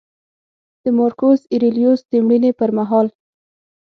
د مارکوس اریلیوس د مړینې پرمهال و